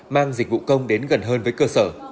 mang dịch vụ công đến gần hơn với cơ sở